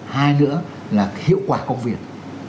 hai nữa là hiệu quả công việc